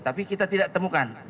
tapi kita tidak temukan